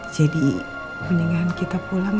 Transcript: jadi mendingan kita pulang ya